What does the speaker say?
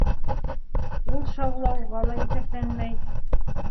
Ул шаулауға ла иҫәпләнмәй.